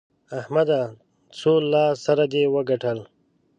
احمده! څو لاس سره دې وګټل؟